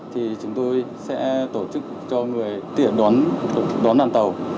thì chúng tôi sẽ tổ chức cho người tiển đón đoàn tàu